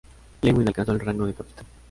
Lewin alcanzó el rango de capitán.